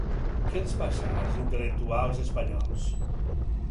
Què els passa, als intel·lectuals espanyols?